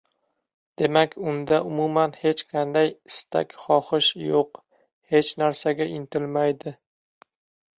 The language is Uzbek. demak, unda umuman hech qanday istak-xohish yo‘q, hech narsaga intilmaydi